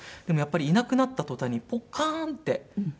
でもやっぱりいなくなった途端にポカーンって。